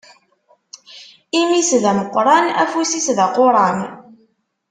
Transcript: Imi-s d ameqqran, afus-is d aquran.